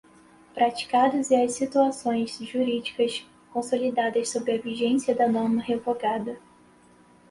praticados e as situações jurídicas consolidadas sob a vigência da norma revogada.